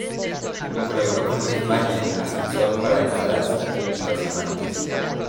Colaboró con Louis Malle en "Ascensor para el cadalso" y "Los amantes".